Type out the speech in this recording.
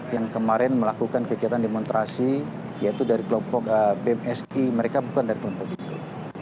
yang kemarin melakukan kegiatan demonstrasi yaitu dari kelompok bmsi mereka bukan dari kelompok itu